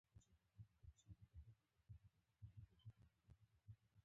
هلمند سیند د افغانستان د هیوادوالو لپاره ویاړ دی.